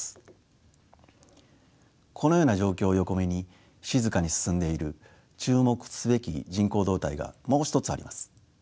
このような状況を横目に静かに進んでいる注目すべき人口動態がもう一つあります。